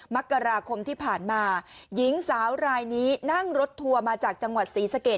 มกราคมที่ผ่านมาหญิงสาวรายนี้นั่งรถทัวร์มาจากจังหวัดศรีสะเกด